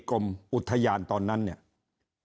คราวนี้เจ้าหน้าที่ป่าไม้รับรองแนวเนี่ยจะต้องเป็นหนังสือจากอธิบดี